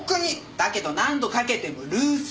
だけど何度かけても留守。